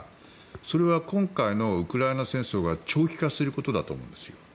それは今回のウクライナ戦争が長期化することだと思うんです。